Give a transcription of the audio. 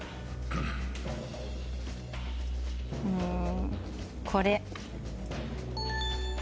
うーんこれ。